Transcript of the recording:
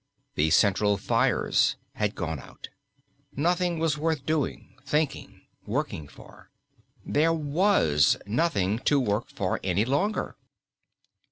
The central fires had gone out. Nothing was worth doing, thinking, working for. There was nothing to work for any longer!